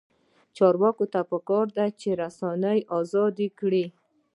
چارواکو ته پکار ده چې، رسنۍ ازادې کړي.